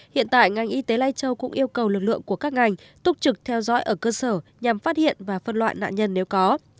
hiện tại ngành y tế lai châu cũng yêu cầu lực lượng của các ngành túc trực theo dõi ở cơ sở nhằm phát hiện và phân loại nạn nhân nếu có